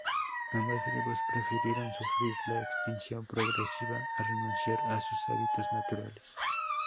Ambas tribus prefirieron sufrir la extinción progresiva a renunciar a sus hábitos naturales.